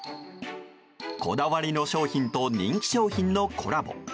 こだわりの商品と人気商品のコラボ。